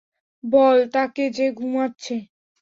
বল তাকে যে ঘুমাচ্ছে।